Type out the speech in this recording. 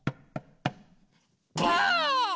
ばあっ！